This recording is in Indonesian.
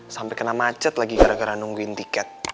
sampai kena macet lagi gara gara nungguin tiket